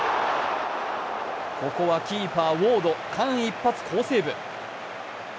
ここはキーパー、ウォード、間一髪、好セーブ。